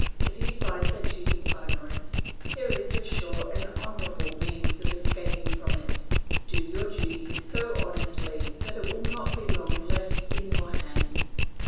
If you find that duty onerous, there is a sure and honourable means of escaping from it; do your duty so honestly that it will not long be left in your hands.